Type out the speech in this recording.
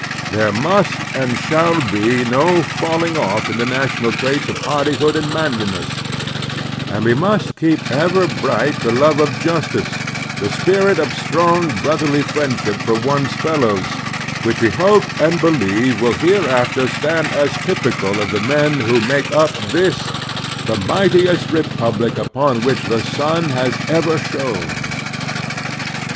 There must and shall be no falling off in the national traits of hardihood and manliness; and we must keep ever bright the love of justice, the spirit of strong brotherly friendship for one's fellows, which we hope and believe wUl hereafter stand as typical of the men who make up this, the mightiest republic upon which the sun has ever shone.